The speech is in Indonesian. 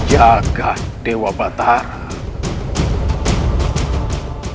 jahat dewa batara